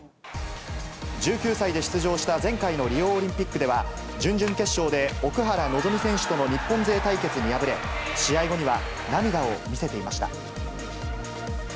１９歳で出場した前回のリオオリンピックでは、準々決勝で奥原希望選手との日本勢対決に敗れ、試合後には、涙を見せていました。